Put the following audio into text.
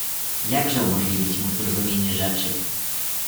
"Jakże umożliwić mu zrozumienie rzeczy?"